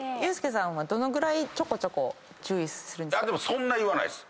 そんな言わないです。